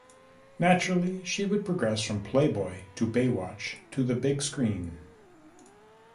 Naturally, she would progress from Playboy to Baywatch to the big screen.